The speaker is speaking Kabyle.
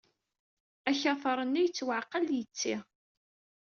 Akatar-nni yettwaɛeqqel yetti.